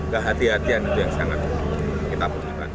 kehati hatian itu yang sangat kita perlukan